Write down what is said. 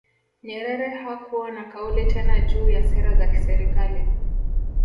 Nyerere hakuwa na kauli tena juu ya sera za kiserikali